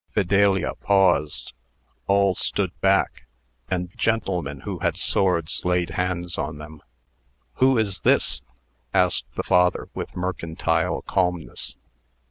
Fidelia paused; all stood back; and gentlemen who had swords laid hands on them. "Who is this?" asked the Father, with mercantile calmness.